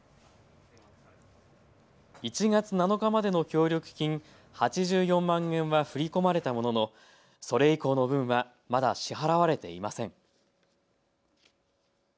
１月７日までの協力金８４万円は振り込まれたもののそれ以降の分はまだ支払われていません。